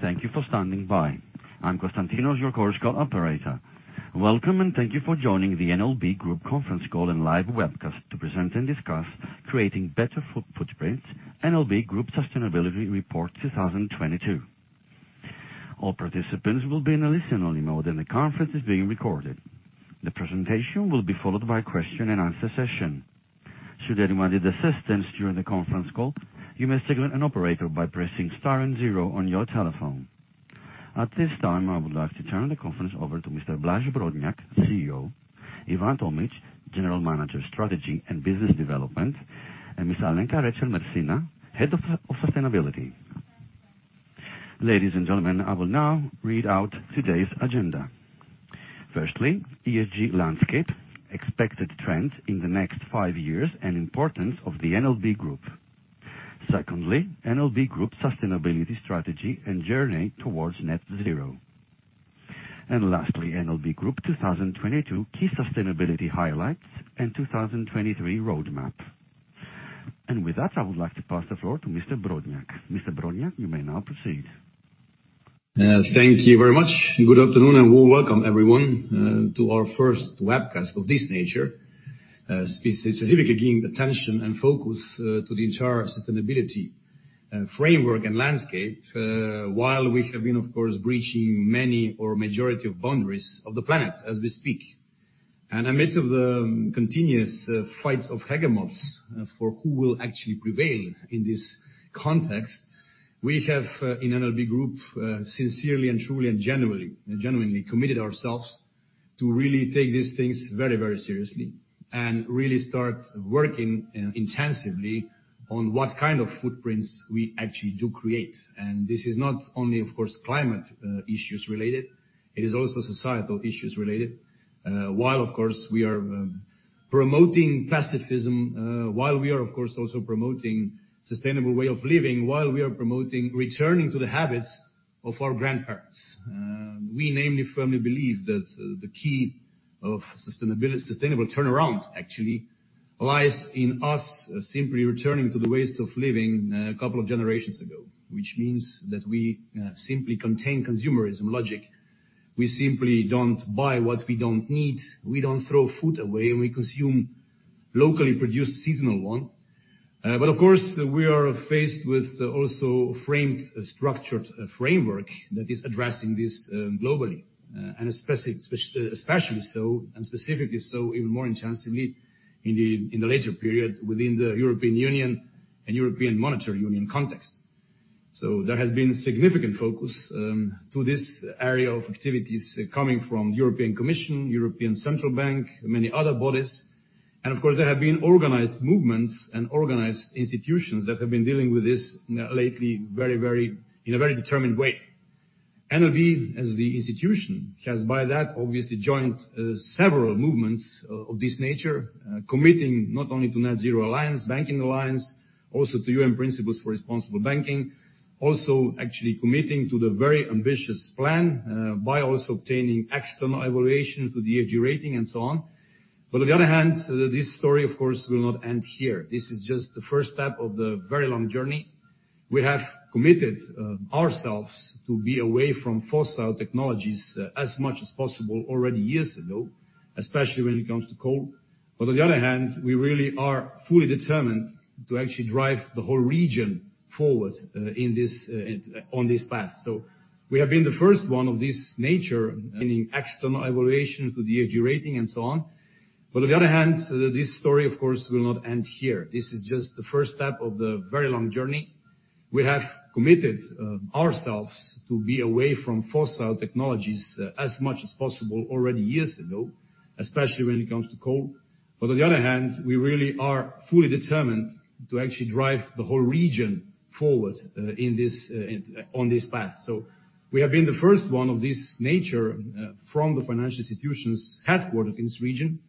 Thank you for standing by. I'm Costantino, your chorus call operator. Welcome, and thank you for joining the NLB Group Conference Call and Live Webcast to present and discuss creating better footprints, NLB Group Sustainability Report 2022. All participants will be in a listen-only mode, and the conference is being recorded. The presentation will be followed by question and answer session. Should anyone need assistance during the conference call, you may signal an operator by pressing star and zero on your telephone. At this time, I would like to turn the conference over to Mr. Blaž Brodnjak, CEO, Ivan Tomić, General Manager, Strategy and Business Development, and Miss Alenka Recelj Mercina, Head of Sustainability. Ladies and gentlemen, I will now read out today's agenda. Firstly, ESG landscape, expected trends in the next five years, and importance of the NLB Group. Secondly, NLB Group sustainability strategy and journey towards net zero. Lastly, NLB Group 2022 key sustainability highlights and 2023 roadmap. With that, I would like to pass the floor to Mr. Brodnjak. Mr. Brodnjak, you may now proceed. Thank you very much. Good afternoon, welcome everyone to our first webcast of this nature. Specifically giving attention and focus to the entire sustainability framework and landscape, while we have been, of course, breaching many or majority of boundaries of the planet as we speak. Amidst of the continuous fights of hegemons for who will actually prevail in this context, we have in NLB Group sincerely and truly and genuinely committed ourselves to really take these things very, very seriously and really start working intensively on what kind of footprints we actually do create. This is not only, of course, climate issues related, it is also societal issues related. While of course we are promoting pacifism, while we are of course also promoting sustainable way of living, while we are promoting returning to the habits of our grandparents. We namely firmly believe that the key of sustainable turnaround actually lies in us simply returning to the ways of living a couple of generations ago, which means that we simply contain consumerism logic. We simply don't buy what we don't need. We don't throw food away, we consume locally produced seasonal one. Of course, we are faced with also framed, structured framework that is addressing this globally, and especially so and specifically so even more intensively in the later period within the European Union and European Monetary Union context. There has been significant focus to this area of activities coming from European Commission, European Central Bank, many other bodies. Of course, there have been organized movements and organized institutions that have been dealing with this lately in a very determined way. NLB as the institution has by that obviously joined several movements of this nature, committing not only to Net-Zero Banking Alliance, also to UN Principles for Responsible Banking, also actually committing to the very ambitious plan by also obtaining external evaluations with the ESG rating and so on. On the other hand, this story, of course, will not end here. This is just the first step of the very long journey. We have committed ourselves to be away from fossil technologies as much as possible already years ago, especially when it comes to coal. On the other hand, we really are fully determined to actually drive the whole region forward in this, on this path. We have been the first one of this nature meaning external evaluations with the ESG rating and so on. On the other hand, this story, of course, will not end here. This is just the first step of the very long journey. We have committed ourselves to be away from fossil technologies as much as possible already years ago, especially when it comes to coal. On the other hand, we really are fully determined to actually drive the whole region forward in this, on this path. We have been the first one of this nature from the financial institutions headquartered in this region.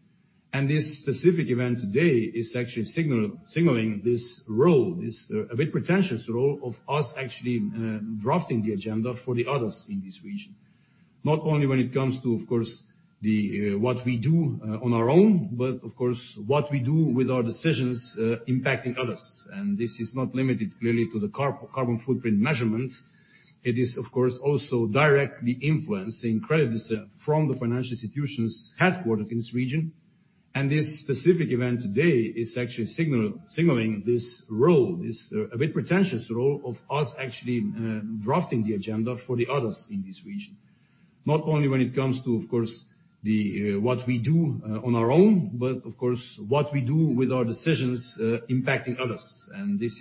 This specific event today is actually signaling this role, this a bit pretentious role of us actually drafting the agenda for the others in this region, not only when it comes to, of course, the what we do on our own, but of course, what we do with our decisions impacting others. This is not limited clearly to the carbon footprint measurement. It is, of course, also directly influencing credit decisions from the financial institutions headquartered in this region. This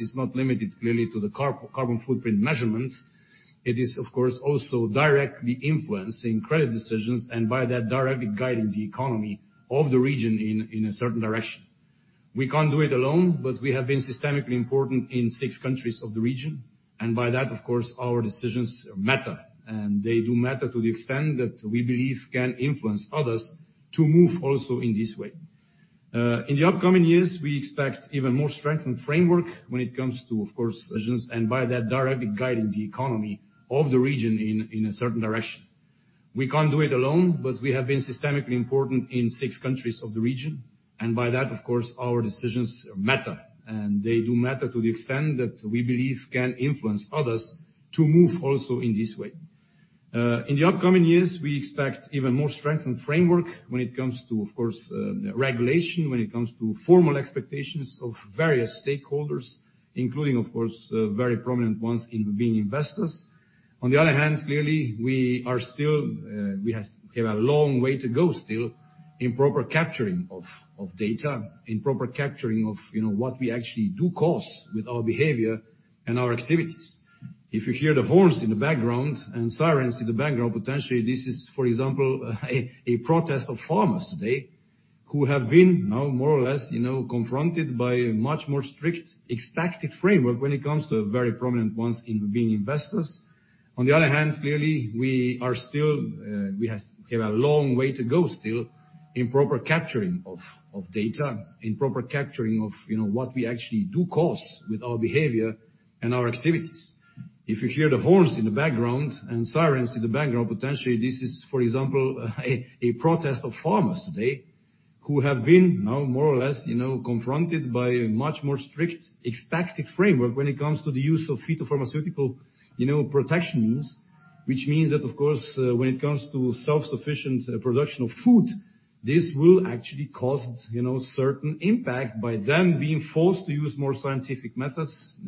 is not limited clearly to the car-carbon footprint measurement. It is, of course, also directly influencing credit decisions and by that, directly guiding the economy of the region in a certain direction. We can't do it alone, but we have been systemically important in six countries of the region. By that, of course, our decisions matter. They do matter to the extent that we believe can influence others to move also in this way. In the upcoming years, we expect even more strengthened framework when it comes to, of course, decisions, and by that, directly guiding the economy of the region in a certain direction. We can't do it alone, but we have been systemically important in six countries of the region, and by that, of course, our decisions matter. They do matter to the extent that we believe can influence others to move also in this way. In the upcoming years, we expect even more strengthened framework when it comes to, of course, regulation, when it comes to formal expectations of various stakeholders, including, of course, very prominent ones in being investors. On the other hand, clearly, we are still, we have a long way to go still in proper capturing of data, in proper capturing of, you know, what we actually do cause with our behavior and our activities. If you hear the horns in the background and sirens in the background, potentially this is, for example, a protest of farmers today who have been now more or less, you know, confronted by a much more strict expected framework when it comes to the very prominent ones in being investors. Clearly, we are still, we have a long way to go still in proper capturing of data, in proper capturing of, you know, what we actually do cause with our behavior and our activities. If you hear the horns in the background and sirens in the background, potentially this is, for example, a protest of farmers today who have been now more or less, you know, confronted by a much more strict expected framework when it comes to the use of phytopharmaceutical, you know, protection means. Which means that, of course, when it comes to self-sufficient production of food, this will actually cause, you know, certain impact by them being forced to use more scientific methods,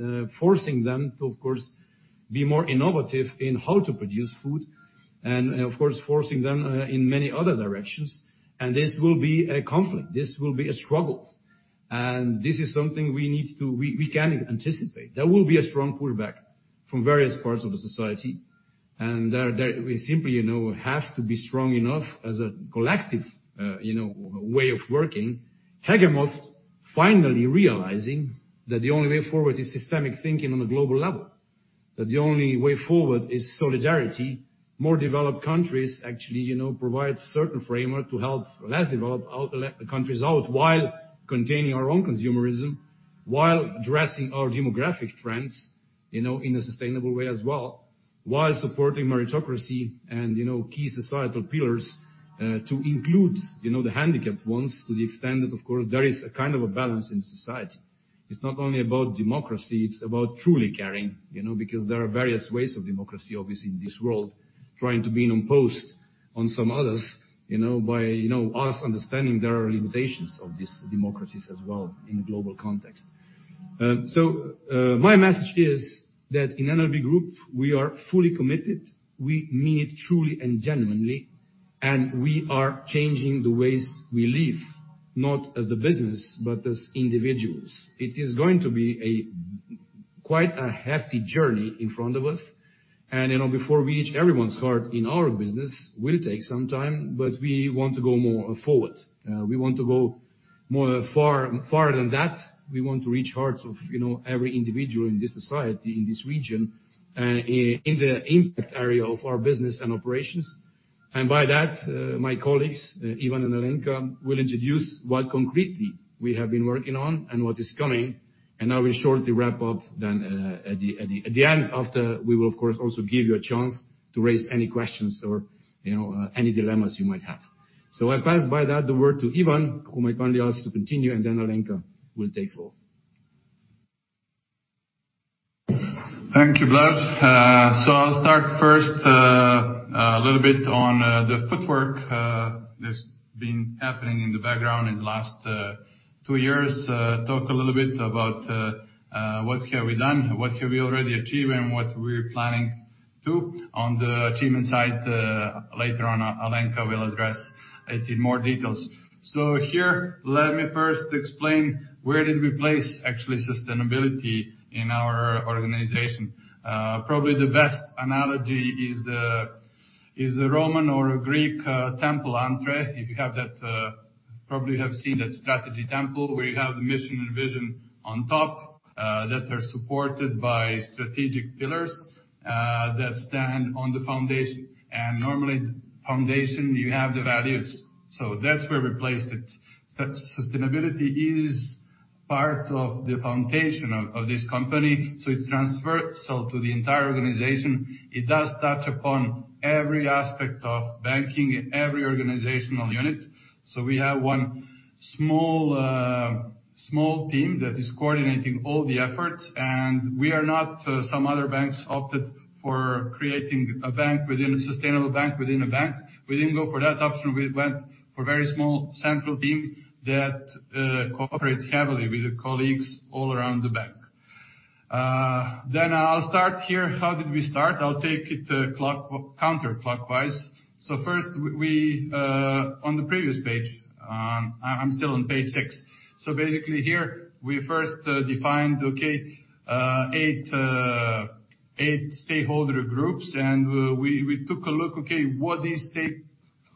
forcing them to, of course, be more innovative in how to produce food and, of course, forcing them, in many other directions, this will be a conflict. This will be a struggle. This is something we can anticipate. There will be a strong pullback from various parts of the society. We simply, you know, have to be strong enough as a collective, you know, way of working. Hegemons finally realizing that the only way forward is systemic thinking on a global level, that the only way forward is solidarity. More developed countries actually, you know, provide certain framework to help less developed countries out while containing our own consumerism, while addressing our demographic trends, you know, in a sustainable way as well, while supporting meritocracy and, you know, key societal pillars, to include, you know, the handicapped ones to the extent that, of course, there is a kind of a balance in society. It's not only about democracy, it's about truly caring, you know, because there are various ways of democracy, obviously, in this world trying to be imposed on some others, you know, by, you know, us understanding there are limitations of these democracies as well in global context. My message is that in NLB Group, we are fully committed. We mean it truly and genuinely, and we are changing the ways we live, not as the business, but as individuals. It is going to be a quite a hefty journey in front of us. You know, before we reach everyone's heart in our business, will take some time, but we want to go more forward. We want to go more far, farther than that. We want to reach hearts of, you know, every individual in this society, in this region, in the impact area of our business and operations. By that, my colleagues, Ivan and Alenka, will introduce what concretely we have been working on and what is coming. I will shortly wrap up then at the end after we will, of course, also give you a chance to raise any questions or, you know, any dilemmas you might have. I pass by that the word to Ivan, whom I kindly ask to continue, and then Alenka will take over. Thank you, Blaž. I'll start first a little bit on the footwork that's been happening in the background in the last 2 years. Talk a little bit about what have we done, what have we already achieved, and what we're planning to. On the achievement side, later on, Alenka will address it in more details. Here, let me first explain where did we place actually sustainability in our organization. Probably the best analogy is the Roman or a Greek temple entree. If you have that, probably have seen that strategy temple where you have the mission and vision on top that are supported by strategic pillars that stand on the foundation. Normally, foundation, you have the values. That's where we placed it. Sustainability is part of the foundation of this company, so it transfers to the entire organization. It does touch upon every aspect of banking, every organizational unit. We have 1 small team that is coordinating all the efforts, and we are not, some other banks opted for creating a bank within a sustainable bank within a bank. We didn't go for that option. We went for very small central team that cooperates heavily with the colleagues all around the bank. I'll start here. How did we start? I'll take it counterclockwise. First, we... On the previous page, I'm still on page 6. Basically here, we first defined, okay, eight stakeholder groups, and we took a look, okay, what these stakeholder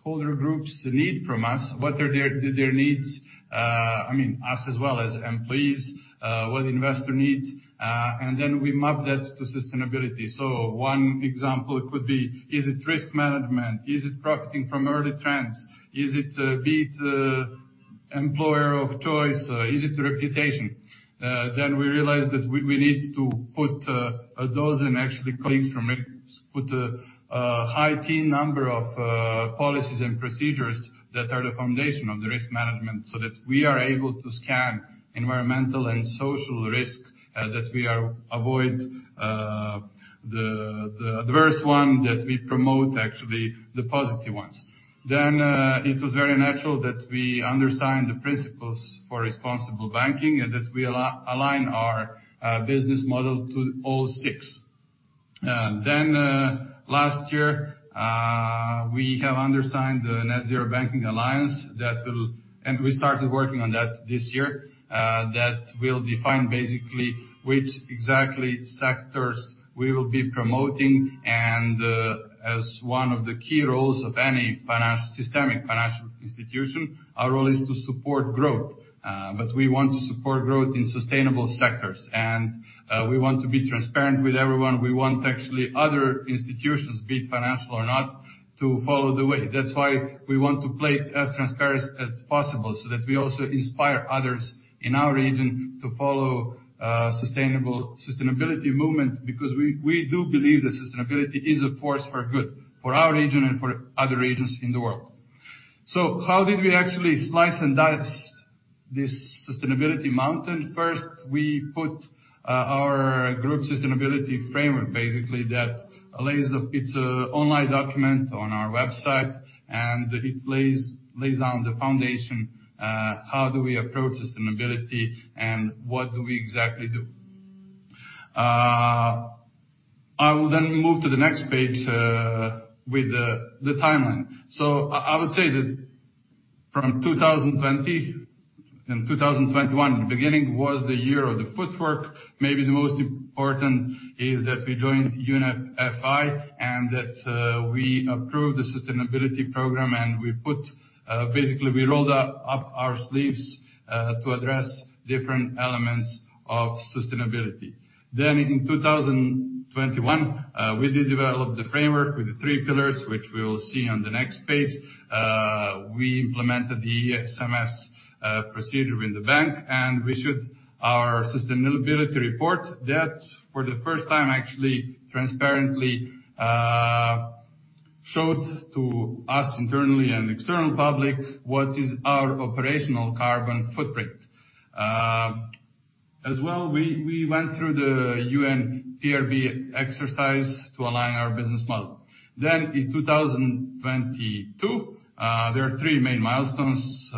groups need from us, what are their needs, I mean, us as well as employees, what investor needs, and then we mapped that to sustainability. One example could be, is it risk management? Is it profiting from early trends? Is it Employer of choice, is it the reputation? We realized that we need to put those and actually colleagues from it, put a high team number of policies and procedures that are the foundation of the risk management so that we are able to scan environmental and social risk, that we avoid the adverse one that we promote, actually the positive ones. It was very natural that we undersigned the Principles for Responsible Banking, and that we align our business model to all six. Last year, we have undersigned the Net-Zero Banking Alliance. We started working on that this year, that will define basically which exactly sectors we will be promoting and, as one of the key roles of any systemic financial institution. Our role is to support growth, but we want to support growth in sustainable sectors. We want to be transparent with everyone. We want actually other institutions, be it financial or not, to follow the way. That's why we want to play it as transparent as possible, so that we also inspire others in our region to follow sustainability movement, because we do believe that sustainability is a force for good, for our region and for other regions in the world. How did we actually slice and dice this sustainability mountain? First, we put our group sustainability framework, basically that lays down the foundation, how do we approach sustainability and what do we exactly do. I will then move to the next page with the timeline. I would say that from 2020 and 2021, the beginning was the year of the footwork. Maybe the most important is that we joined UNEP FI, we approved the sustainability program and we put, basically we rolled up our sleeves to address different elements of sustainability. In 2021, we did develop the framework with the three pillars, which we will see on the next page. We implemented the ESMS procedure in the bank, we issued our sustainability report that for the first time actually transparently showed to us internally and external public what is our operational carbon footprint. As well, we went through the UN PRB exercise to align our business model. In 2022, there are three main milestones.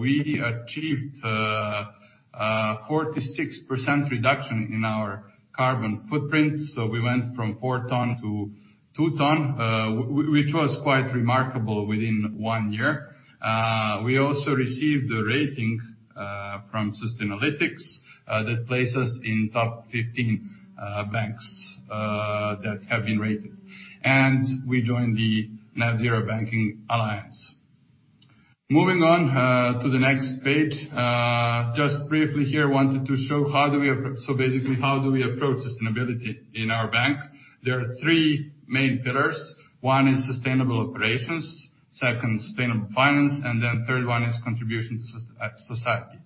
We achieved 46% reduction in our carbon footprint, so we went from 4 ton to 2 ton, which was quite remarkable within 1 year. We also received a rating from Sustainalytics that placed us in top 15 banks that have been rated. We joined the Net-Zero Banking Alliance. Moving on to the next page. Just briefly here, wanted to show how do we approach sustainability in our bank. There are 3 main pillars. One is sustainable operations, second, sustainable finance, and then third one is contribution to society.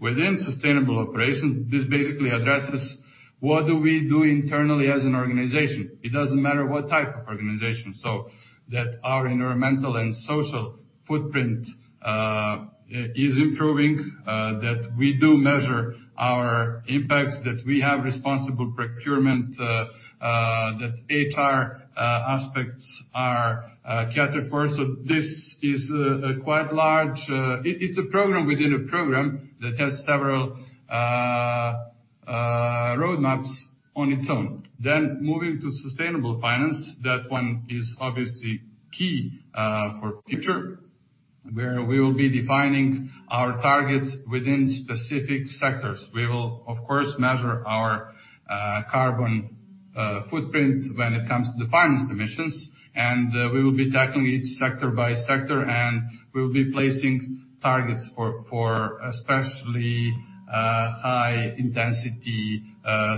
Within sustainable operations, this basically addresses what do we do internally as an organization. It doesn't matter what type of organization. That our environmental and social footprint is improving, that we do measure our impacts, that we have responsible procurement, that ATAR aspects are catered for. This is a quite large. It's a program within a program that has several roadmaps on its own. Moving to sustainable finance. That one is obviously key for future, where we will be defining our targets within specific sectors. We will of course measure our carbon footprint when it comes to the financed emissions, and we will be tackling each sector by sector, and we will be placing targets for especially high intensity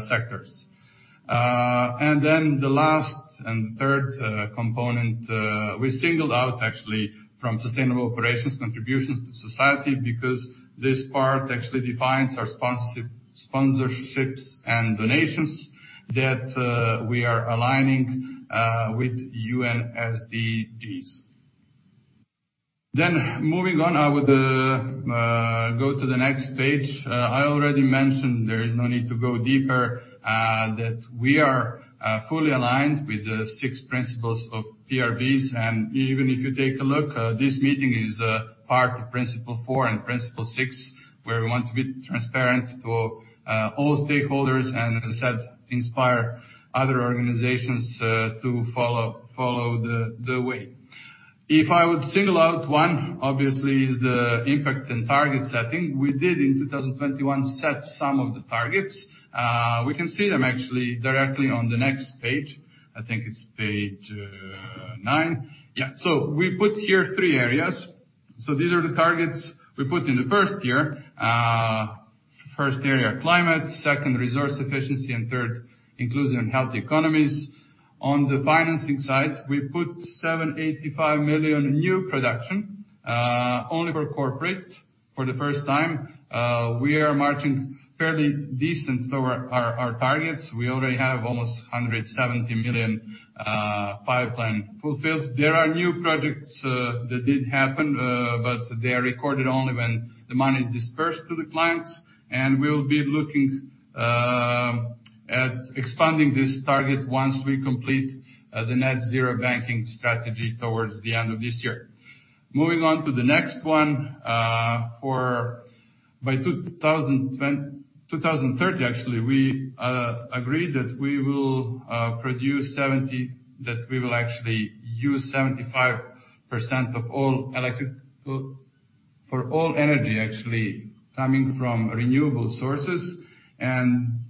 sectors. The last and third component, we singled out actually from sustainable operations contribution to society, because this part actually defines our sponsorships and donations that we are aligning with UN SDGs. Moving on, I would go to the next page. I already mentioned there is no need to go deeper, that we are fully aligned with the six principles of PRBs. Even if you take a look, this meeting is part of principle four and principle six, where we want to be transparent to all stakeholders and, as I said, inspire other organizations to follow the way. If I would single out one, obviously is the impact and target setting. We did in 2021, set some of the targets. We can see them actually directly on the next page. I think it's page 9. Yeah. We put here three areas. These are the targets we put in the first year. First area, climate. Second, resource efficiency. Third, inclusion and healthy economies. On the financing side, we put 785 million new production only for corporate for the first time. We are marching fairly decent over our targets. We already have almost 170 million pipeline fulfilled. There are new projects that did happen, but they are recorded only when the money is dispersed to the clients. We'll be looking at expanding this target once we complete the net zero banking strategy towards the end of this year. Moving on to the next one. For... By 2030 actually, we agreed that we will actually use 75% of all energy actually coming from renewable sources.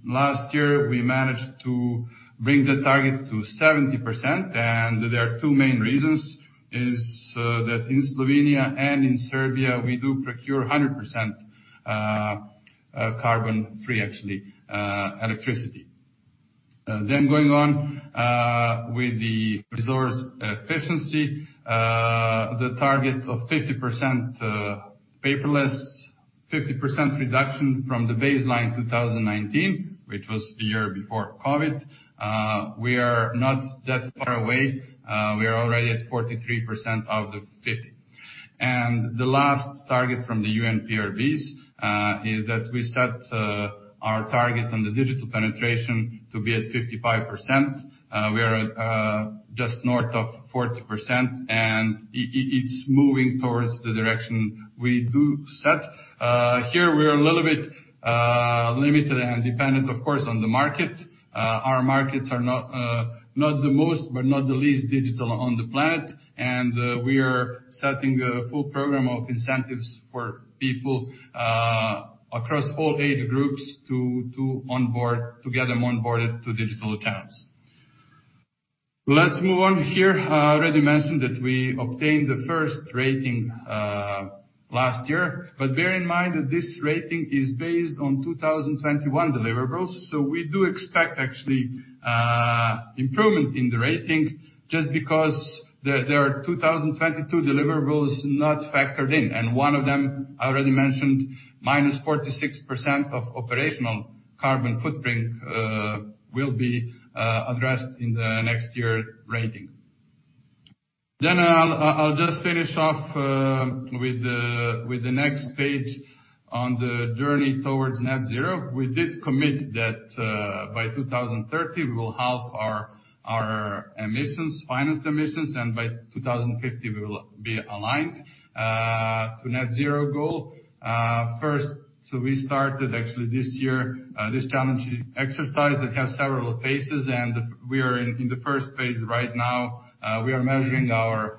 Last year, we managed to bring the target to 70%, and there are two main reasons, is that in Slovenia and in Serbia, we do procure 100% carbon free actually electricity. Then going on with the resource efficiency, the target of 50% paperless, 50% reduction from the baseline 2019, which was the year before COVID. We are not that far away. We are already at 43% of the 50. The last target from the UN PRBs is that we set our target on the digital penetration to be at 55%. We are at just north of 40%, and it's moving towards the direction we do set. Here we are a little bit limited and dependent, of course, on the market. Our markets are not not the most, but not the least digital on the planet. We are setting a full program of incentives for people across all age groups to onboard, to get them onboarded to digital accounts. Let's move on here. I already mentioned that we obtained the first rating last year. Bear in mind that this rating is based on 2021 deliverables. We do expect actually, improvement in the rating just because there are 2022 deliverables not factored in. One of them, I already mentioned, -46% of operational carbon footprint, will be addressed in the next year rating. I'll just finish off with the next page on the journey towards net zero. We did commit that by 2030, we will halve our emissions, financed emissions, and by 2050, we will be aligned to net zero goal. First, we started actually this year, this challenging exercise that has several phases, and we are in the first phase right now. We are measuring our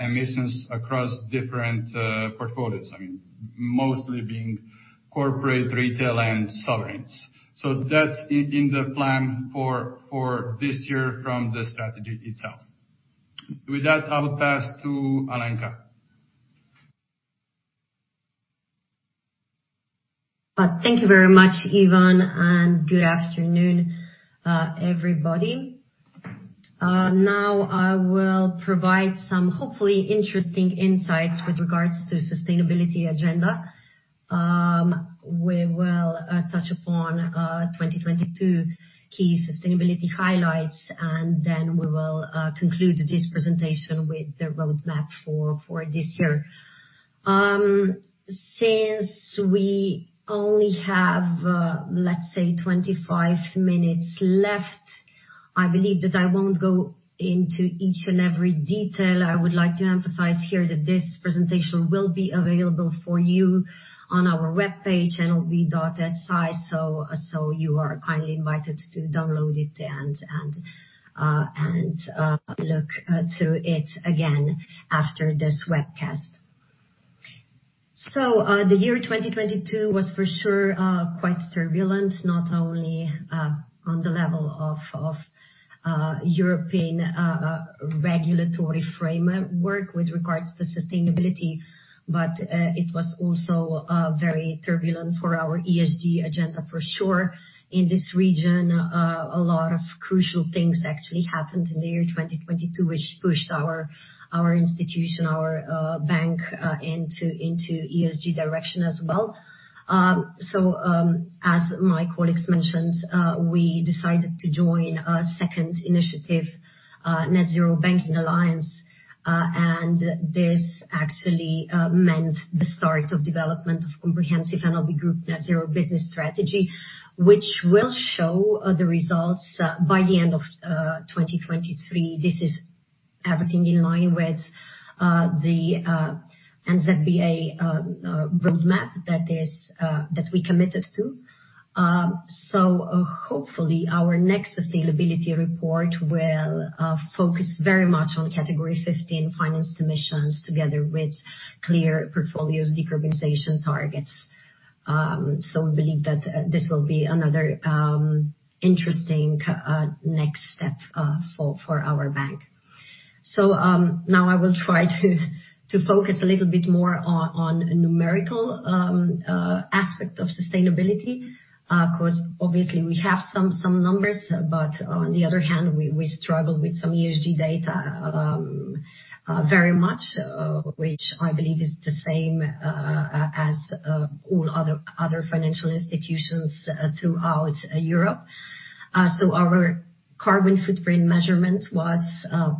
emissions across different portfolios. I mean, mostly being corporate, retail, and sovereigns. That's in the plan for this year from the strategy itself. With that, I will pass to Alenka. Thank you very much, Ivan, and good afternoon, everybody. Now I will provide some hopefully interesting insights with regards to sustainability agenda. We will touch upon 2022 key sustainability highlights, and then we will conclude this presentation with the roadmap for this year. Since we only have, let's say 25 minutes left, I believe that I won't go into each and every detail. I would like to emphasize here that this presentation will be available for you on our webpage, nlb.si. You are kindly invited to download it and look through it again after this webcast. The year 2022 was for sure quite turbulent, not only on the level of European regulatory framework with regards to sustainability, but it was also very turbulent for our ESG agenda for sure. In this region, a lot of crucial things actually happened in the year 2022, which pushed our institution, our bank, into ESG direction as well. As my colleagues mentioned, we decided to join a second initiative, Net-Zero Banking Alliance. This actually meant the start of development of comprehensive NLB Group Net-Zero business strategy, which will show the results by the end of 2023. This is everything in line with the NZBA roadmap that is that we committed to. Hopefully our next sustainability report will focus very much on Category 15 financed emissions together with clear portfolios decarbonization targets. We believe that this will be another interesting next step for our bank. Now I will try to focus a little bit more on numerical aspect of sustainability. 'Cause obviously we have some numbers, but on the other hand, we struggle with some ESG data very much, which I believe is the same as all other financial institutions throughout Europe. Our carbon footprint measurement was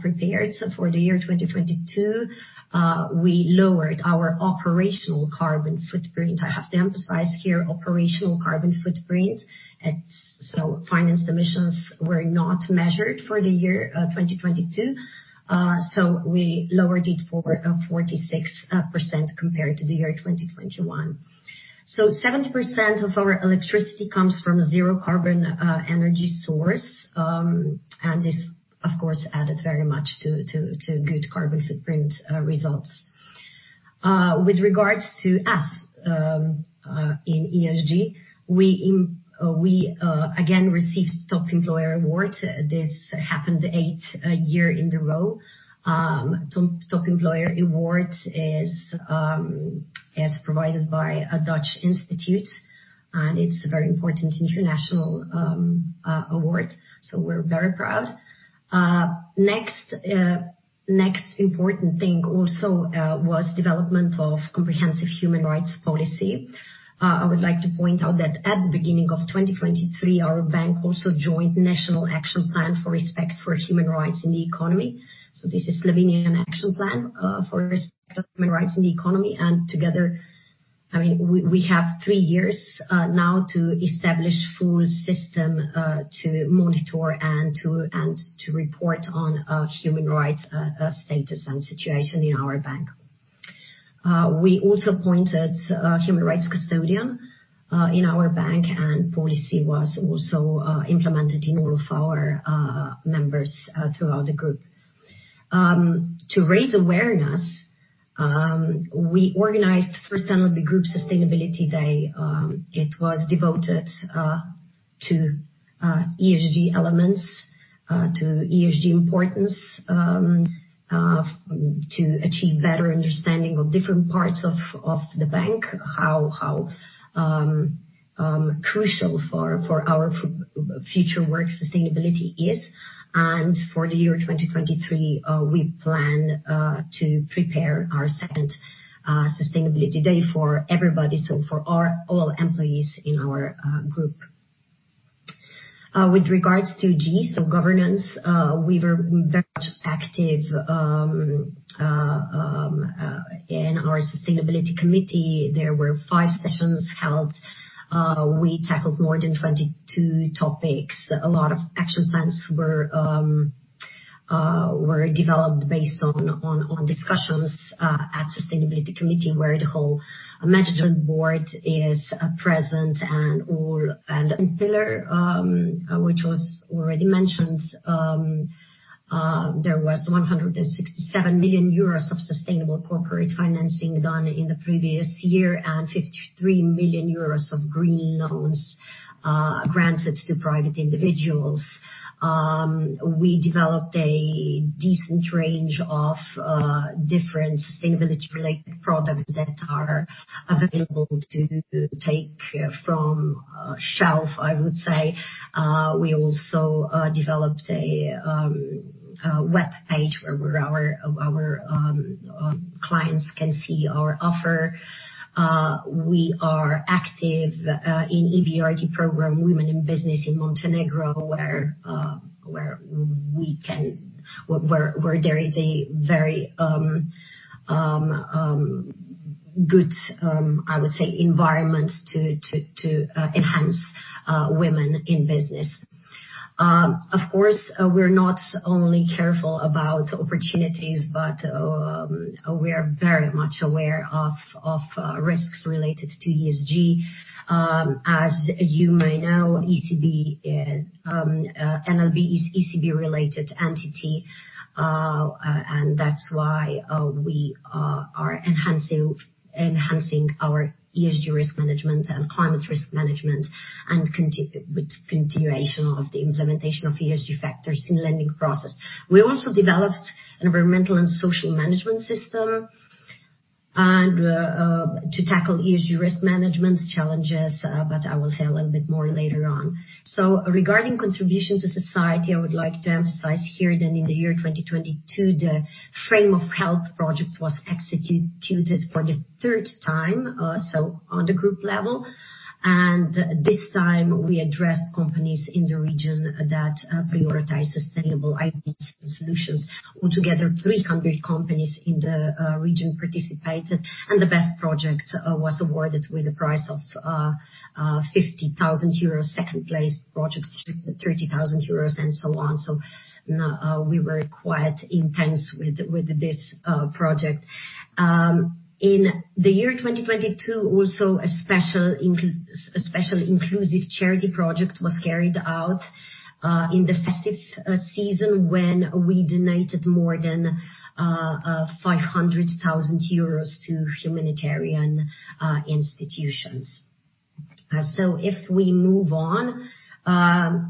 prepared for the year 2022. We lowered our operational carbon footprint. I have to emphasize here operational carbon footprint. Financed emissions were not measured for the year 2022. We lowered it for 46% compared to the year 2021. 70% of our electricity comes from zero carbon energy source. This of course, added very much to good carbon footprint results. With regards to us, in ESG, we again received Top Employer award. This happened eight year in the row. Top Employer award is as provided by a Dutch institute, and it's a very important international award, we're very proud. Next, next important thing also was development of comprehensive human rights policy. I would like to point out that at the beginning of 2023, our bank also joined National Action Plan for Respect for Human Rights in the Economy. This is Slovenian Action Plan for Respect of Human Rights in the Economy. Together, I mean, we have 3 years now to establish full system to monitor and to report on Human Rights status and situation in our bank. We also appointed a Human Rights custodian in our bank, policy was also implemented in all of our members throughout the group. To raise awareness, we organized first time of the group Sustainability Day. It was devoted to ESG elements, to ESG importance, to achieve better understanding of different parts of the bank, how crucial for our future work sustainability is. For the year 2023, we plan to prepare our second sustainability day for everybody, so for our all employees in our group. With regards to G, so governance, we were very much active in our sustainability committee. There were 5 sessions held. We tackled more than 22 topics. A lot of action plans were developed based on discussions at sustainability committee, where the whole management board is present and all. Pillar, which was already mentioned, there was 167 million euros of sustainable corporate financing done in the previous year, and 53 million euros of green loans granted to private individuals. We developed a decent range of different sustainability related products that are available to take from shelf, I would say. We also developed a webpage where our clients can see our offer. We are active in EBRD program, Women in Business in Montenegro, where there is a very good, I would say environment to enhance women in business. Of course, we're not only careful about opportunities, but we are very much aware of risks related to ESG. As you may know, ECB, NLB is ECB related entity, and that's why we are enhancing our ESG risk management and climate risk management with continuation of the implementation of ESG factors in lending process. We also developed environmental and social management system and to tackle ESG risk management challenges, but I will say a little bit more later on. Regarding contribution to society, I would like to emphasize here that in the year 2022, the Frame of Help project was executed for the third time, so on the group level. This time we addressed companies in the region that prioritize sustainable IT solutions. Altogether, 300 companies in the region participated, and the best project was awarded with the price of 50,000 euros. Second place project, 30,000 euros and so on. We were quite intense with this project. In the year 2022, also a special inclusive charity project was carried out in the festive season, when we donated more than 500,000 euros to humanitarian institutions. If we move on,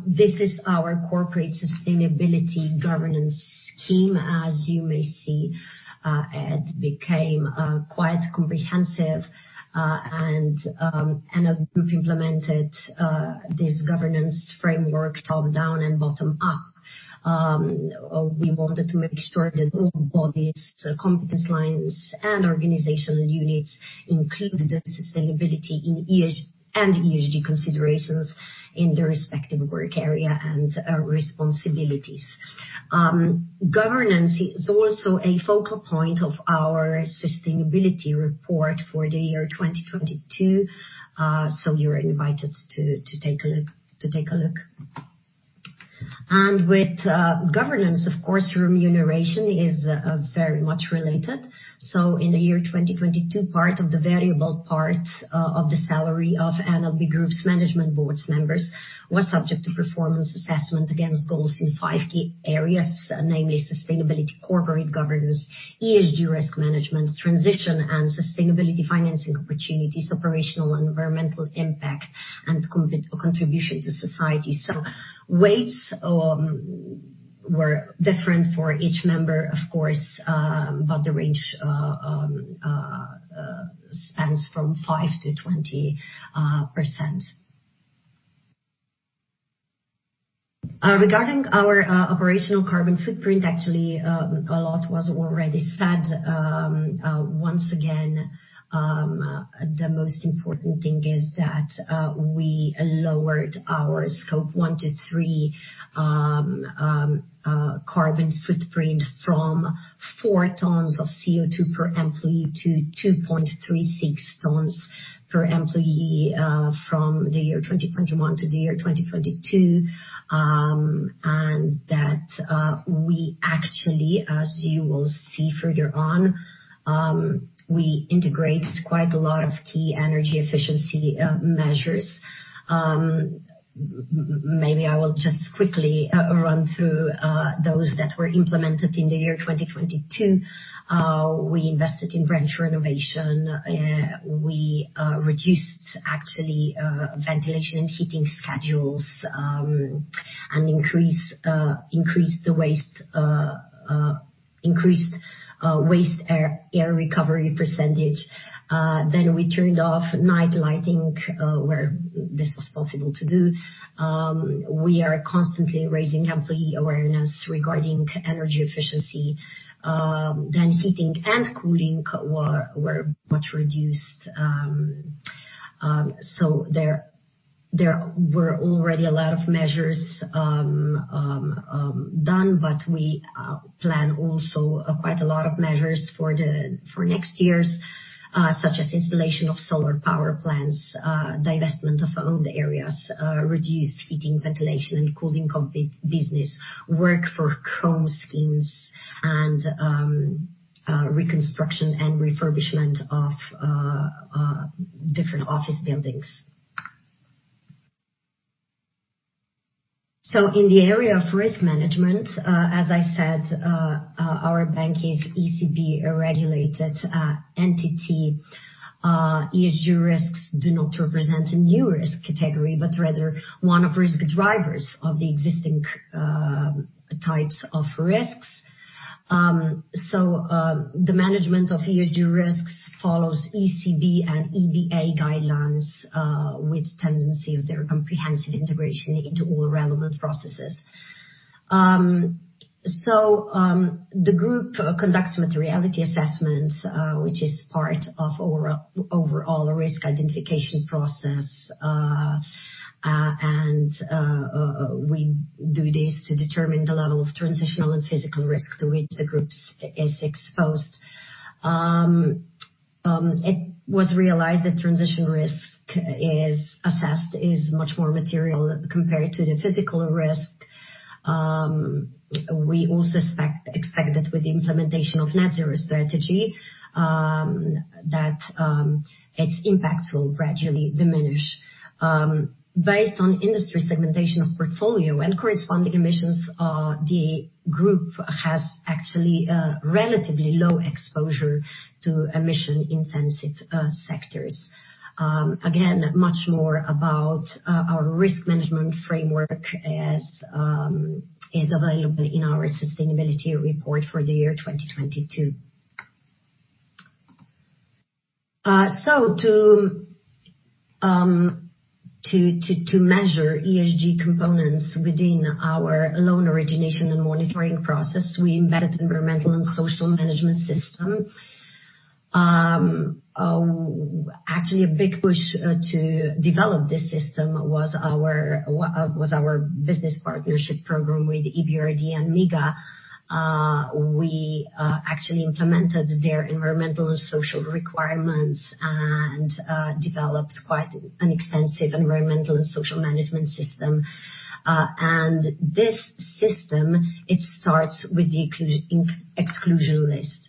this is our corporate sustainability governance scheme. As you may see, it became quite comprehensive. The group implemented this governance framework top-down and bottom-up. We wanted to make sure that all bodies, competence lines, and organizational units included the sustainability in ESG considerations in their respective work area and responsibilities. Governance is also a focal point of our sustainability report for the year 2022. You're invited to take a look. With governance, of course, remuneration is very much related. In the year 2022, part of the variable part of the salary of NLB Group's management boards members was subject to performance assessment against goals in five key areas, namely sustainability, corporate governance, ESG risk management, transition and sustainability financing opportunities, operational and environmental impact, and contribution to society. Weights were different for each member, of course, but the range spans from 5%-20%. Regarding our operational carbon footprint, actually, a lot was already said. Once again, the most important thing is that we lowered our Scope 1 to 3 carbon footprint from 4 tons of CO2 per employee to 2.36 tons per employee from the year 2021 to the year 2022. That we actually, as you will see further on, we integrated quite a lot of key energy efficiency measures. Maybe I will just quickly run through those that were implemented in the year 2022. We invested in branch renovation. We reduced actually ventilation and heating schedules, and increased the waste air recovery percentage. We turned off night lighting where this was possible to do. We are constantly raising employee awareness regarding energy efficiency. Heating and cooling were much reduced. There were already a lot of measures done, but we plan also quite a lot of measures for the next years, such as installation of solar power plants, divestment of owned areas, reduced heating, ventilation, and cooling business, work for chrome skins, and reconstruction and refurbishment of different office buildings. In the area of risk management, as I said, our bank is ECB-regulated entity. ESG risks do not represent a new risk category, but rather one of risk drivers of the existing types of risks. The management of ESG risks follows ECB and EBA guidelines with tendency of their comprehensive integration into all relevant processes. The group conducts materiality assessments, which is part of overall risk identification process. We do this to determine the level of transitional and physical risk to which the group is exposed. It was realized that transition risk is much more material compared to the physical risk. We also expect that with the implementation of net-zero strategy, that its impact will gradually diminish. Based on industry segmentation of portfolio and corresponding emissions, the group has actually a relatively low exposure to emission-intensive sectors. Again, much more about our risk management framework as is available in our sustainability report for the year 2022. To measure ESG components within our loan origination and monitoring process, we embedded environmental and social management system. Actually, a big push to develop this system was our business partnership program with EBRD and MIGA. We actually implemented their environmental and social requirements and developed quite an extensive environmental and social management system. This system, it starts with the exclusion list.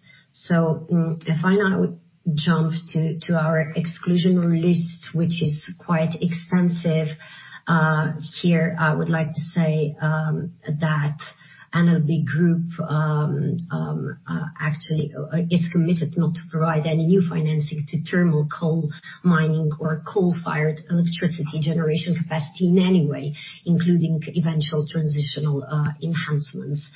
If I now jump to our exclusion list, which is quite extensive, here, I would like to say that NLB Group actually is committed not to provide any new financing to thermal coal mining or coal-fired electricity generation capacity in any way, including eventual transitional enhancements.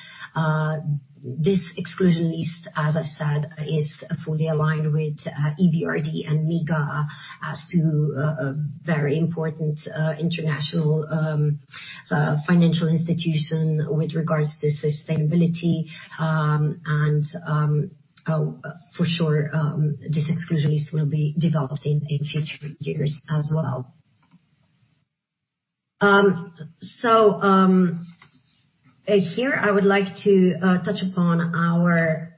This exclusion list, as I said, is fully aligned with EBRD and MIGA as to a very important international financial institution with regards to sustainability. For sure, this exclusion list will be developed in future years as well. Here I would like to touch upon our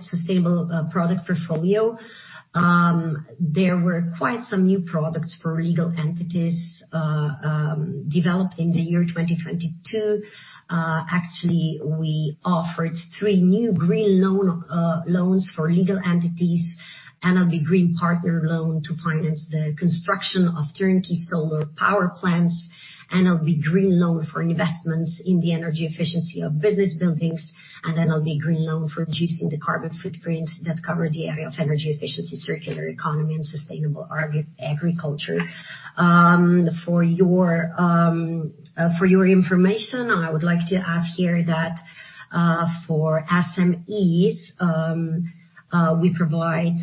sustainable product portfolio. There were quite some new products for legal entities developed in the year 2022. Actually, we offered 3 new green loans for legal entities, NLB Green Partner Loan to finance the construction of turnkey solar power plants, NLB Green Loan for investments in the energy efficiency of business buildings, and then NLB Green Loan for reducing the carbon footprints that cover the area of energy efficiency, circular economy and sustainable agriculture. For your information, I would like to add here that for SMEs, we provide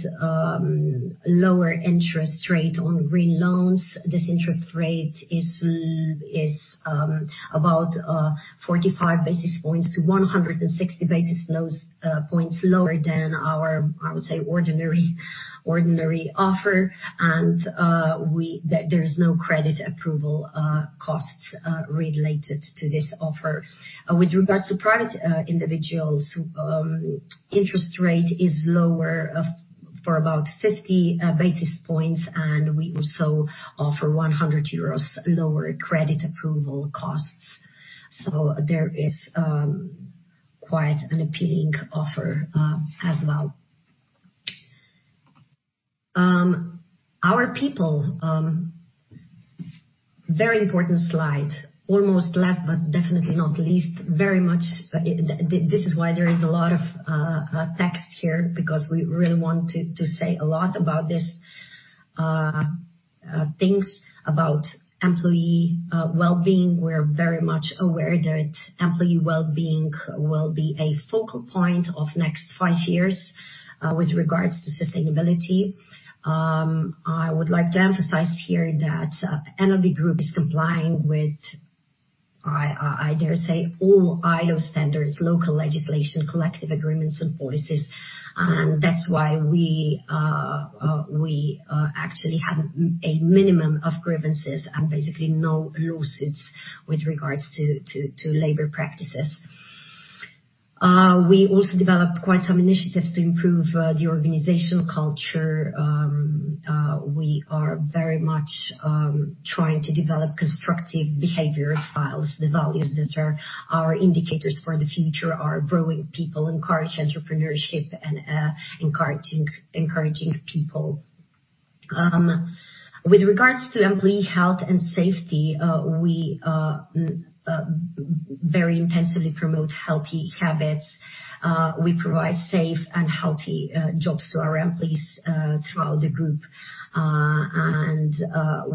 lower interest rate on green loans. This interest rate is about 45 basis points to 160 basis points lower than our, I would say, ordinary offer. There's no credit approval costs related to this offer. With regards to private individuals, interest rate is lower for about 50 basis points, we also offer 100 euros lower credit approval costs. There is quite an appealing offer as well. Our people, very important slide. Almost last, definitely not least. Very much, this is why there is a lot of text here, because we really want to say a lot about this things about employee wellbeing. We're very much aware that employee wellbeing will be a focal point of next 5 years with regards to sustainability. I would like to emphasize here that NLB Group is complying with I dare say all ILO standards, local legislation, collective agreements and policies. That's why we actually have a minimum of grievances and basically no lawsuits with regards to labor practices. We also developed quite some initiatives to improve the organizational culture. We are very much trying to develop constructive behavior styles. The values that are our indicators for the future are growing people, encourage entrepreneurship and encouraging people. With regards to employee health and safety, we very intensively promote healthy habits. We provide safe and healthy jobs to our employees throughout the group.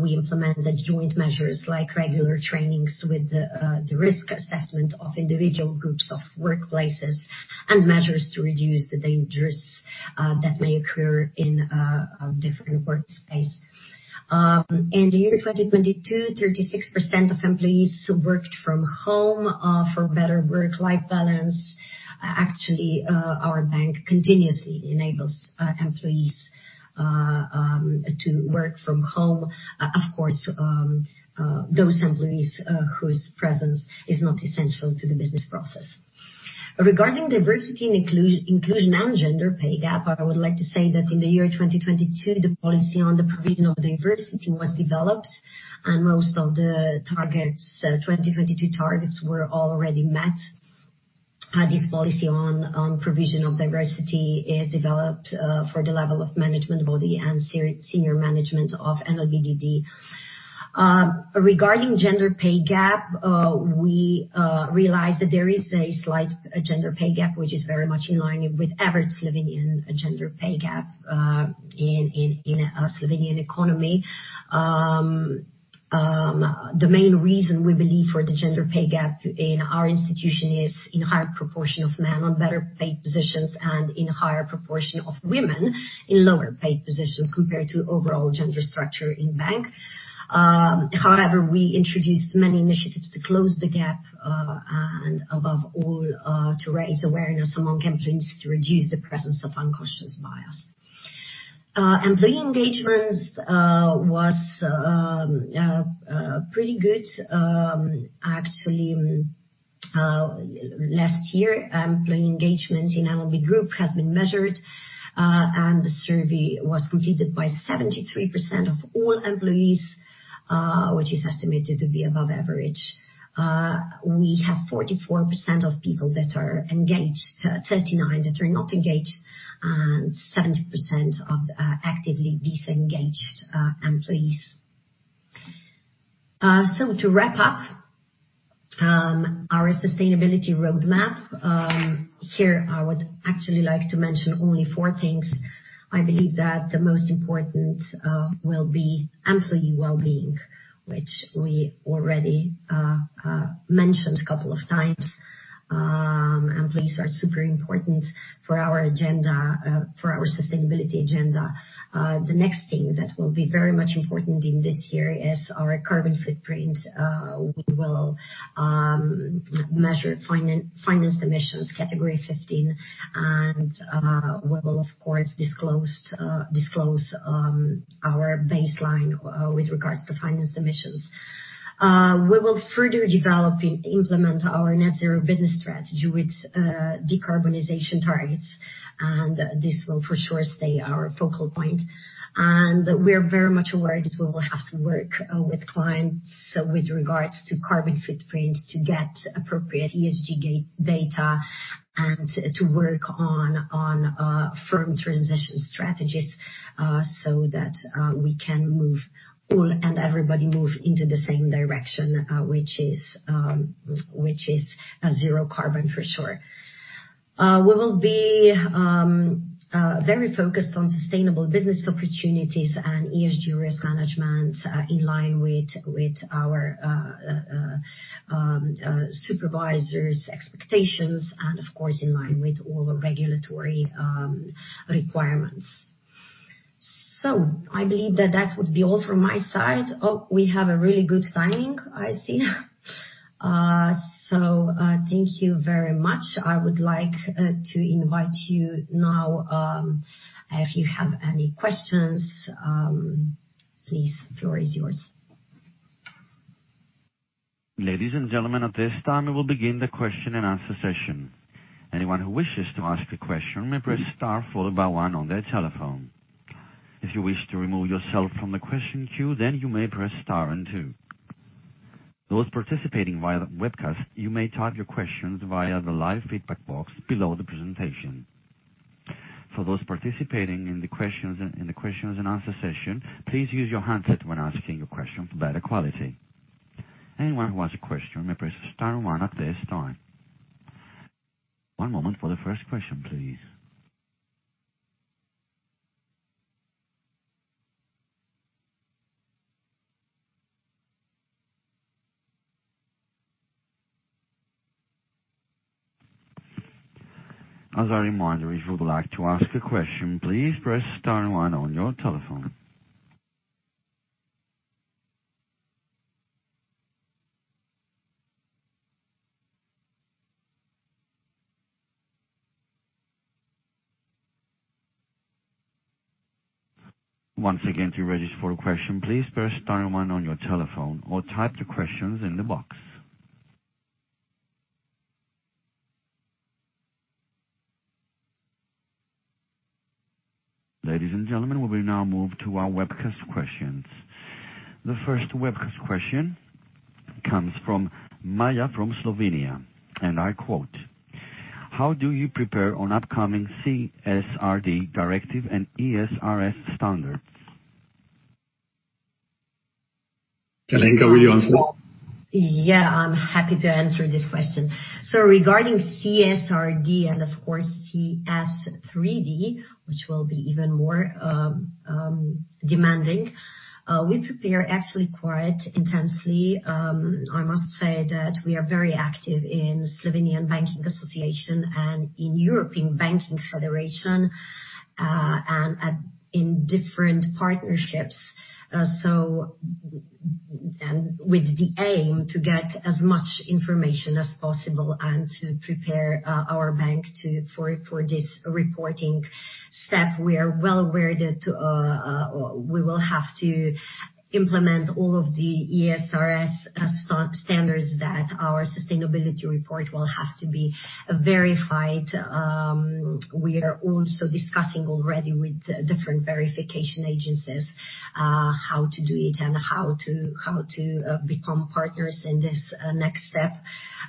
We implement the joint measures, like regular trainings with the risk assessment of individual groups of workplaces, and measures to reduce the dangers that may occur in a different workspace. In the year 2022, 36% of employees worked from home for better work-life balance. Actually, our bank continuously enables employees to work from home. Of course, those employees whose presence is not essential to the business process. Regarding diversity and inclusion and gender pay gap, I would like to say that in the year 2022, the policy on the provision of diversity was developed, and most of the targets, 2022 targets were already met. This policy on provision of diversity is developed for the level of management body and senior management of NLB d.d. Regarding gender pay gap, we realized that there is a slight gender pay gap, which is very much in line with average Slovenian gender pay gap in a Slovenian economy. The main reason we believe for the gender pay gap in our institution is in higher proportion of men on better paid positions and in higher proportion of women in lower paid positions compared to overall gender structure in bank. However, we introduced many initiatives to close the gap, and above all, to raise awareness among employees to reduce the presence of unconscious bias. Employee engagement was pretty good. Actually, last year, employee engagement in NLB Group has been measured, and the survey was completed by 73% of all employees, which is estimated to be above average. We have 44% of people that are engaged, 39 that are not engaged, and 70% of actively disengaged employees. To wrap up our sustainability roadmap, here I would actually like to mention only four things. I believe that the most important will be employee well-being, which we already mentioned a couple of times. Employees are super important for our agenda, for our sustainability agenda. The next thing that will be very much important in this year is our carbon footprint. We will measure finance emissions Category 15, and we will of course disclose our baseline with regards to finance emissions. We will further develop and implement our net zero business strategy with decarbonization targets. This will for sure stay our focal point. We are very much aware that we will have to work with clients with regards to carbon footprint, to get appropriate ESG data, and to work on firm transition strategies so that we can move all and everybody move into the same direction, which is zero carbon for sure. We will be very focused on sustainable business opportunities and ESG risk management in line with our supervisors' expectations and of course in line with all regulatory requirements. I believe that that would be all from my side. Oh, we have a really good timing, I see. Thank you very much. I would like to invite you now, if you have any questions, please, floor is yours. Ladies and gentlemen, at this time we will begin the question and answer session. Anyone who wishes to ask a question may press star followed by one on their telephone. If you wish to remove yourself from the question queue, you may press star and two. Those participating via the webcast, you may type your questions via the live feedback box below the presentation. For those participating in the questions and answer session, please use your handset when asking your question for better quality. Anyone who has a question may press star one at this time. One moment for the first question, please. As a reminder, if you would like to ask a question, please press star one on your telephone. Once again, to register for a question, please press star one on your telephone or type the questions in the box. Ladies and gentlemen, we will now move to our webcast questions. The first webcast question comes from Maya from Slovenia, and I quote, "How do you prepare on upcoming CSRD directive and ESRS standards?" Alenka, will you answer? Yeah, I'm happy to answer this question. Regarding CSRD and of course CS3D, which will be even more demanding, we prepare actually quite intensely. I must say that we are very active in Slovenian Banking Association and in European Banking Federation, and in different partnerships. With the aim to get as much information as possible and to prepare our bank for this reporting step. We are well aware that we will have to implement all of the ESRS standards, that our sustainability report will have to be verified. We are also discussing already with different verification agencies, how to do it and how to become partners in this next step.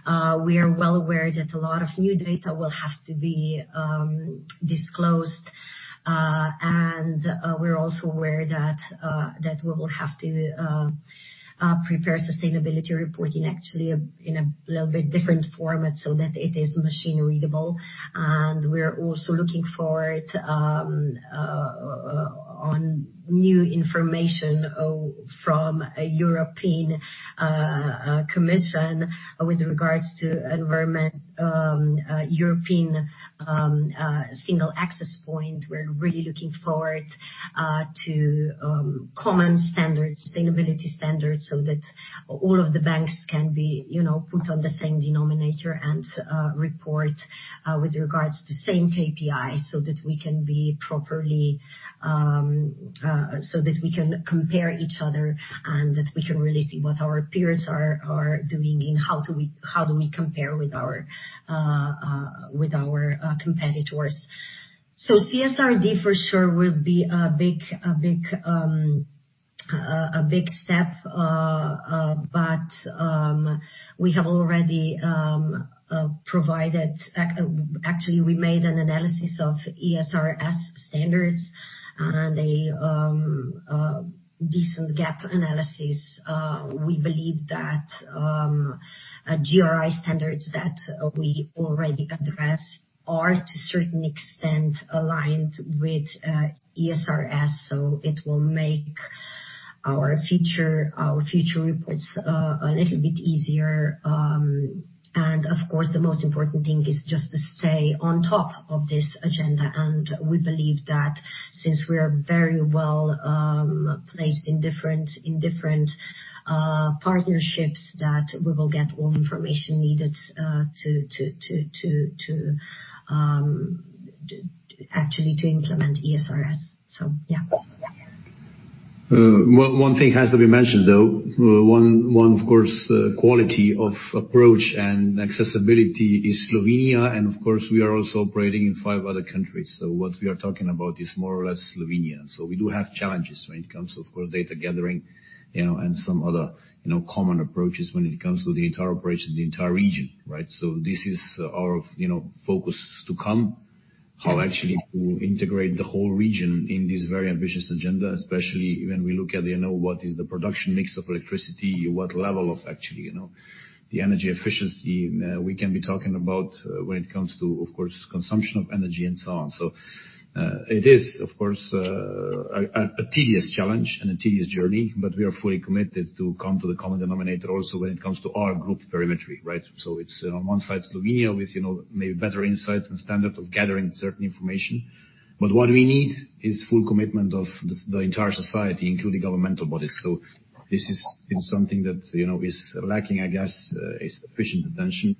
We are well aware that a lot of new data will have to be disclosed. We're also aware that we will have to prepare sustainability reporting in a little bit different format so that it is machine readable. We are also looking forward on new information from a European Commission with regards to environment, European Single Access Point. We're really looking forward to common standards, sustainability standards, so that all of the banks can be, you know, put on the same denominator and report with regards to same KPI, so that we can be properly so that we can compare each other and that we can really see what our peers are doing and how do we compare with our competitors. CSRD for sure will be a big step. We have already provided. Actually, we made an analysis of ESRS standards and a decent gap analysis. We believe that a GRI standards that we already address are to a certain extent aligned with ESRS, so it will make our future reports a little bit easier. Of course, the most important thing is just to stay on top of this agenda. We believe that since we are very well placed in different partnerships, that we will get all information needed to actually implement ESRS. One thing has to be mentioned, though. One, of course, quality of approach and accessibility is Slovenia, and of course we are also operating in five other countries. What we are talking about is more or less Slovenia. We do have challenges when it comes, of course, data gathering, you know, and some other, you know, common approaches when it comes to the entire operation, the entire region, right? This is our, you know, focus to come. How actually to integrate the whole region in this very ambitious agenda, especially when we look at, you know, what is the production mix of electricity, what level of actually, you know, the energy efficiency, we can be talking about when it comes to, of course, consumption of energy and so on. It is of course a tedious challenge and a tedious journey, but we are fully committed to come to the common denominator also when it comes to our group perimetry, right. It's on one side Slovenia with, you know, maybe better insights and standard of gathering certain information. What we need is full commitment of the entire society, including governmental bodies. This is, you know, something that, you know, is lacking, I guess, a sufficient attention.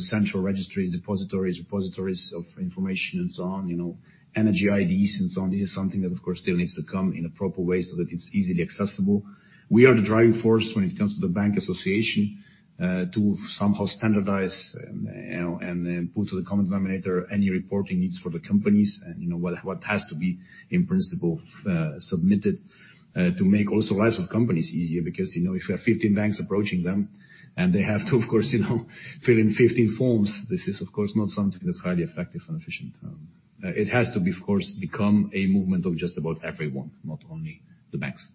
Central registries, depositories, repositories of information and so on, you know, energy IDs and so on. This is something that of course still needs to come in a proper way so that it's easily accessible. We are the driving force when it comes to the Bank Association, to somehow standardize and, you know, and then put to the common denominator any reporting needs for the companies and, you know, what has to be in principle, submitted, to make also lives of companies easier. If you have 15 banks approaching them and they have to, of course, you know, fill in 15 forms, this is of course not something that's highly effective and efficient. It has to be, of course, become a movement of just about everyone, not only the banks.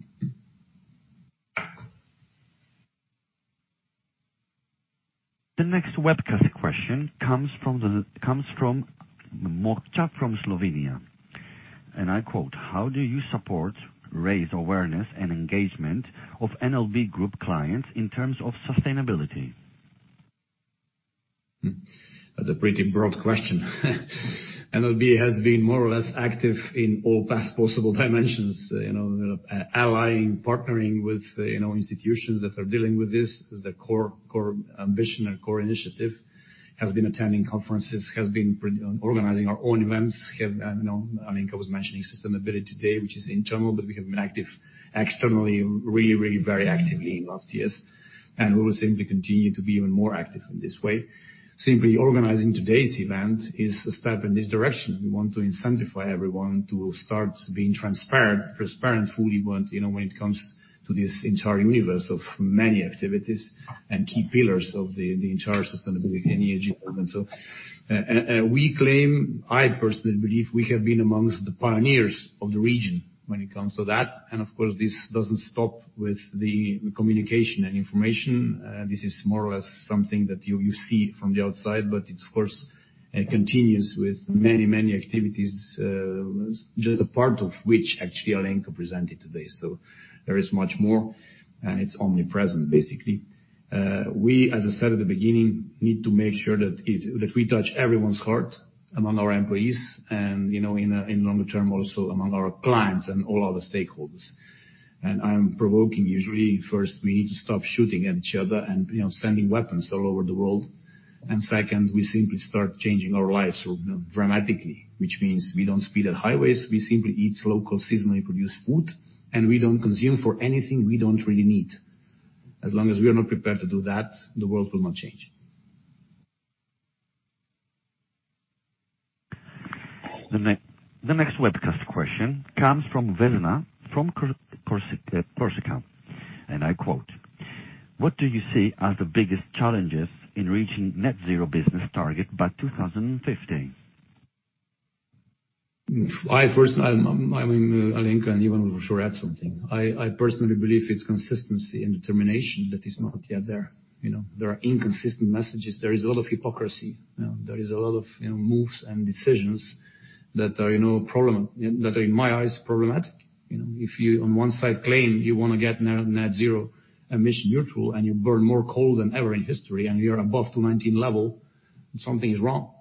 The next webcast question comes from Mojca from Slovenia. I quote, "How do you support, raise awareness and engagement of NLB Group clients in terms of sustainability? That's a pretty broad question. NLB has been more or less active in all past possible dimensions. You know, allying, partnering with, you know, institutions that are dealing with this is the core ambition and core initiative. Has been attending conferences. Has been organizing our own events. Have, you know, Alenka was mentioning sustainability today, which is internal, but we have been active externally, really, really very actively in last years. We will simply continue to be even more active in this way. Simply organizing today's event is a step in this direction. We want to incentivize everyone to start being transparent, fully want, you know, when it comes to this entire universe of many activities and key pillars of the entire sustainability and ESG element. We claim... I personally believe we have been amongst the pioneers of the region when it comes to that. Of course, this doesn't stop with the communication and information. This is more or less something that you see from the outside, but it's of course, continues with many, many activities, just a part of which actually Alenka presented today. There is much more and it's only present, basically. We, as I said at the beginning, need to make sure that we touch everyone's heart among our employees and, you know, in longer term, also among our clients and all other stakeholders. I'm provoking usually, first, we need to stop shooting at each other and, you know, sending weapons all over the world. Second, we simply start changing our lives dramatically, which means we don't speed at highways, we simply eat local seasonally produced food, and we don't consume for anything we don't really need. As long as we are not prepared to do that, the world will not change. The next webcast question comes from Vesna, from Koroška. I quote, "What do you see as the biggest challenges in reaching net zero business target by 2050? I personally, I mean, Alenka Recelj Mercina and Ivan Tomić will for sure add something. I personally believe it's consistency and determination that is not yet there. You know, there are inconsistent messages. There is a lot of hypocrisy. You know, there is a lot of, you know, moves and decisions that are, in my eyes, problematic. You know, if you on one side claim you wanna get net zero emission neutral, and you burn more coal than ever in history and you're above 2019 level, something is wrong.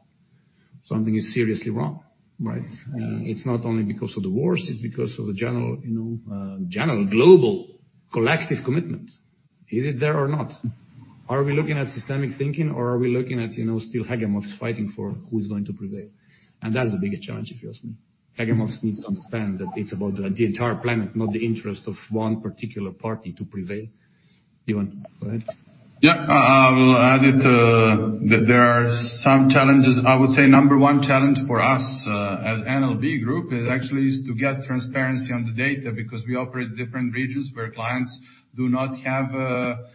Something is seriously wrong, right? It's not only because of the wars, it's because of the general, you know, general global collective commitment. Is it there or not? Are we looking at systemic thinking or are we looking at, you know, still hegemons fighting for who's going to prevail? That's the biggest challenge if you ask me. Hegemons need to understand that it's about the entire planet, not the interest of one particular party to prevail. Ivan, go ahead. Yeah. I will add it, that there are some challenges. I would say number one challenge for us, as NLB Group is actually to get transparency on the data, because we operate different regions where clients do not have.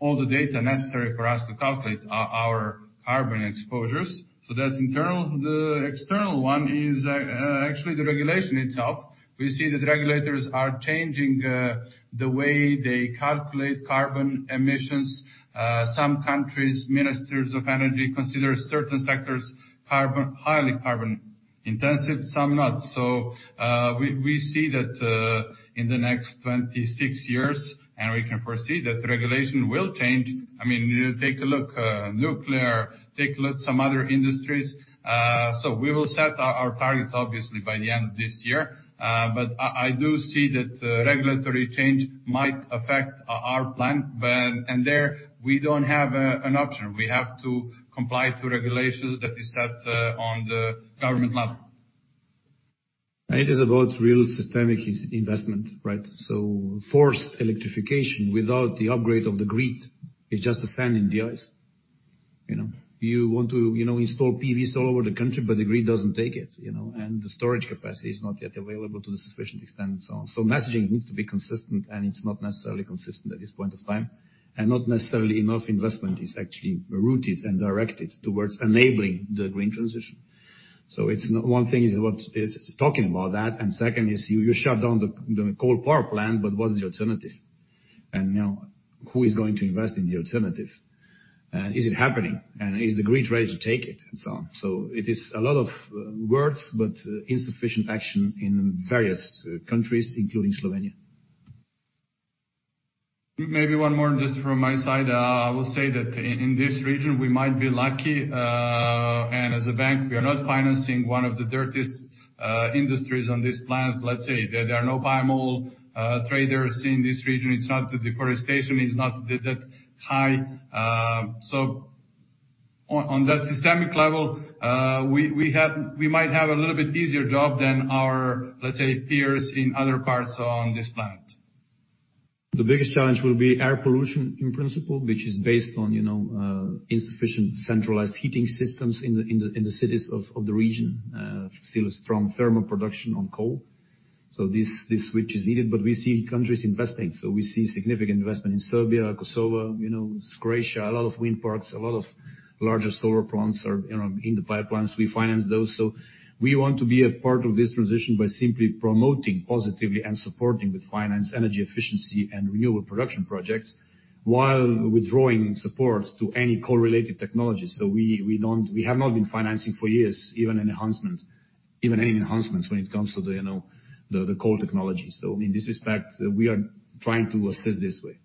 All the data necessary for us to calculate our carbon exposures. That's internal. The external one is actually the regulation itself. We see that regulators are changing the way they calculate carbon emissions. Some countries, ministers of energy consider certain sectors highly carbon intensive, some not. We see that in the next 26 years, and we can foresee that the regulation will change. I mean, take a look, nuclear, take a look at some other industries. We will set our targets obviously by the end of this year. I do see that regulatory change might affect our plan. There, we don't have an option. We have to comply to regulations that is set on the government level. It is about real systemic is-investment, right? Forced electrification without the upgrade of the grid is just a sand in the eyes, you know. You want to, you know, install PVs all over the country, but the grid doesn't take it, you know. The storage capacity is not yet available to the sufficient extent and so on. Messaging needs to be consistent, and it's not necessarily consistent at this point of time, and not necessarily enough investment is actually rooted and directed towards enabling the green transition. It's not. One thing is what is talking about that, and second is you shut down the coal power plant, but what is the alternative? You know, who is going to invest in the alternative? Is it happening? Is the grid ready to take it, and so on. It is a lot of words, but insufficient action in various countries, including Slovenia. Maybe one more just from my side. I will say that in this region, we might be lucky. As a bank, we are not financing one of the dirtiest industries on this planet. Let's say there are no palm oil traders in this region. The deforestation is not that high. On that systemic level, we might have a little bit easier job than our, let's say, peers in other parts on this planet. The biggest challenge will be air pollution in principle, which is based on, you know, insufficient centralized heating systems in the cities of the region. Still a strong thermal production on coal. This switch is needed. We see countries investing. We see significant investment in Serbia, Kosovo, you know, Croatia. A lot of wind parks, a lot of larger solar plants are, you know, in the pipelines. We finance those. We want to be a part of this transition by simply promoting positively and supporting with finance, energy efficiency and renewable production projects, while withdrawing support to any coal related technologies. We have not been financing for years even any enhancements when it comes to the, you know, coal technology. I mean, this is fact. We are trying to assist this way,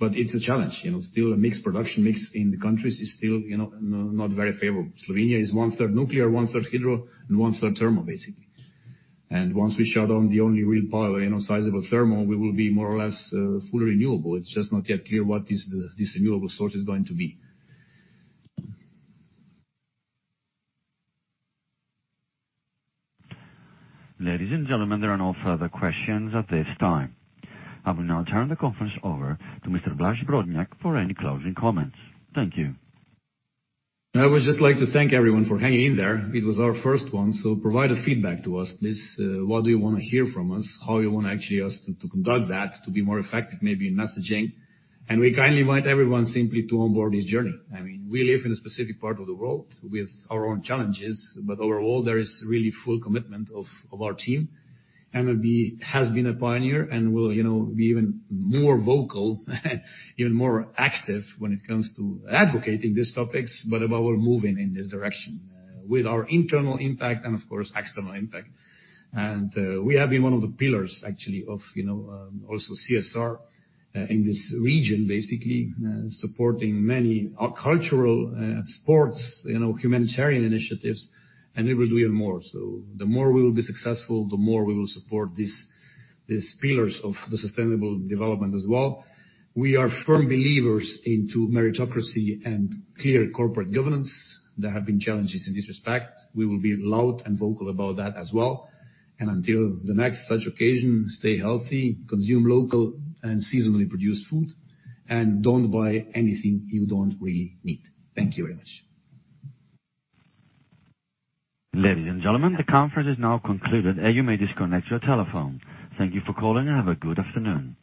it's a challenge, you know. Still a mixed production. Mix in the countries is still, you know, not very favorable. Slovenia is one-third nuclear, one-third hydro, and one-third thermal, basically. Once we shut down the only real power, you know, sizable thermal. We will be more or less fully renewable. It's just not yet clear what is this renewable source is going to be. Ladies and gentlemen, there are no further questions at this time. I will now turn the conference over to Mr. Blaž Brodnjak for any closing comments. Thank you. I would just like to thank everyone for hanging in there. It was our first one, provide a feedback to us, please. What do you wanna hear from us? How you want actually us to conduct that to be more effective maybe in messaging. We kindly invite everyone simply to onboard this journey. I mean, we live in a specific part of the world with our own challenges, but overall, there is really full commitment of our team. NLB has been a pioneer and will, you know, be even more vocal, even more active when it comes to advocating these topics. We're moving in this direction, with our internal impact and of course, external impact. We have been one of the pillars actually of, you know, also CSR in this region, basically, supporting many cultural, sports, you know, humanitarian initiatives, and we will do even more. The more we will be successful, the more we will support these pillars of the sustainable development as well. We are firm believers into meritocracy and clear corporate governance. There have been challenges in this respect. We will be loud and vocal about that as well. Until the next such occasion, stay healthy, consume local and seasonally produced food, and don't buy anything you don't really need. Thank you very much. Ladies and gentlemen, the conference is now concluded, and you may disconnect your telephone. Thank you for calling, and have a good afternoon.